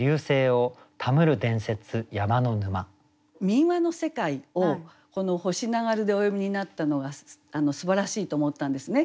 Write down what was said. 民話の世界をこの「星流る」でお詠みになったのがすばらしいと思ったんですね。